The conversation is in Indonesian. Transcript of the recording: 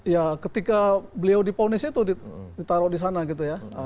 ya ketika beliau diponis itu ditaruh di sana gitu ya